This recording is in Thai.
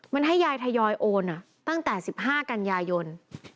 มันให้ยายทยอยโอนตั้งแต่๑๕กันยายน